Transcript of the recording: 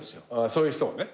そういう人をね。